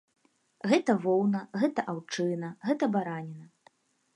Гэта воўна, гэта аўчына, гэта бараніна.